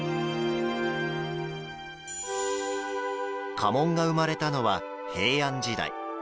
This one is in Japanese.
家紋が生まれたのは平安時代。